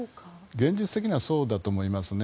現実的にはそうだと思います。